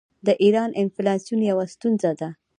د ایران انفلاسیون یوه ستونزه ده.